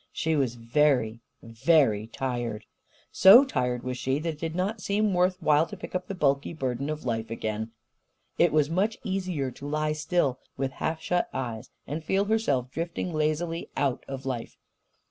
She was very, very tired. So tired was she that it did not seem worth while to pick up the bulky burden of life again. It was much easier to lie still, with half shut eyes, and feel herself drifting lazily out of life.